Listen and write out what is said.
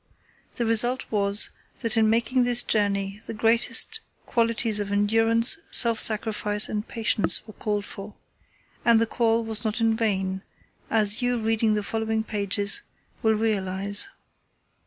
The result was that in making this journey the greatest qualities of endurance, self sacrifice, and patience were called for, and the call was not in vain, as you reading the following pages will realize.